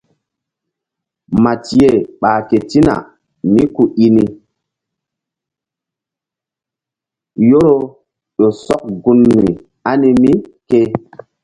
Matiye ɓah ketina mí ku i ni yoro ƴo sɔk gun ani mí ke.